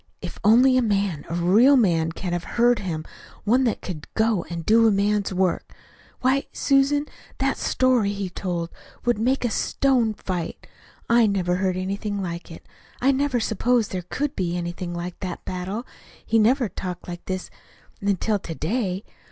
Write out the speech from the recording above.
"If only a man a real man could have heard him one that could go and do a man's work ! Why, Susan, that story, as he told it, would make a stone fight. I never heard anything like it. I never supposed there could be anything like that battle. He never talked like this, until to day.